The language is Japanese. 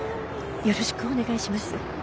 よろしくお願いします。